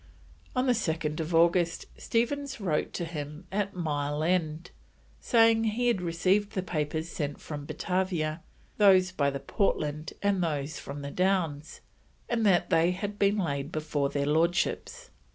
On 2nd August, Stephens wrote to him at Mile End, saying he had received the papers sent from Batavia, those by the Portland and those from the Downs, and that they had been laid before their Lordships.